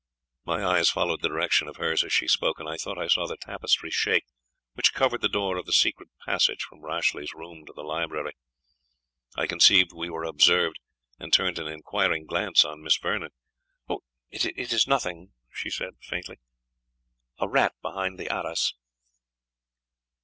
My eyes followed the direction of hers as she spoke, and I thought I saw the tapestry shake, which covered the door of the secret passage from Rashleigh's room to the library. I conceived we were observed, and turned an inquiring glance on Miss Vernon. "It is nothing," said she, faintly; "a rat behind the arras."